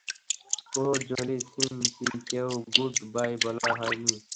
ওহো, জোলি সিং জি কেও good bye বলা হয় নি।